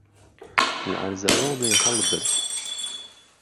له عەرزهڕۆمێ ههڵ برد